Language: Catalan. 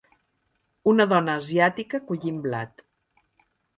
Un dona asiàtica collint blat.